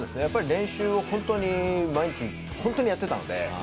やっぱり練習を本当に毎日本当にやってたので。